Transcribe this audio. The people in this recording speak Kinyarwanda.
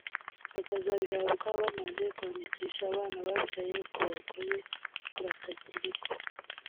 bakazabihabwa bamaze kwandikisha abana babyaye ku bagore batakiri kumwe